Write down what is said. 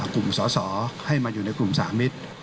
กลุ่มสอสอให้มาอยู่ในกลุ่มสามิตร